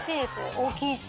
大きいし。